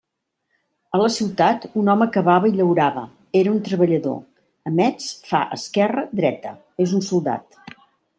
A la ciutat, un home cavava i llaurava: era un treballador; a Metz, fa «esquerra, dreta»: és un soldat.